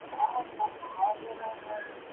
زه اجازه لرم چي پاکوالی وکړم!!